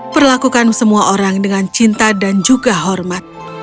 perlakukan semua orang dengan cinta dan juga hormat